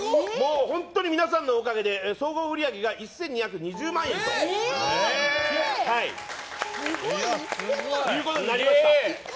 本当に皆さんのおかげで総合売り上げが１２２０万円となりました。